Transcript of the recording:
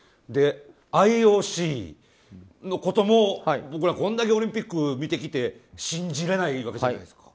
ＩＯＣのことも僕らこれだけオリンピックを見てきて信じられないわけじゃないですか。